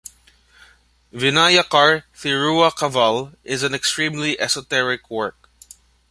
Vinayakar Thiruakaval is an extremely esoteric work.